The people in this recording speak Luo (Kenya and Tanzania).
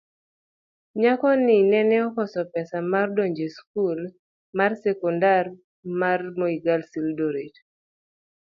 nyako ni nene okoso pesa mar dongo esikul marsekondari mar Moi Girls, Eldoret